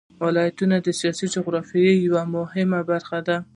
ولایتونه د سیاسي جغرافیه یوه مهمه برخه ده.